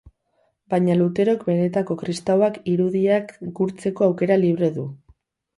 Baina Luterok benetako kristauak irudiak gurtzeko aukera libre du.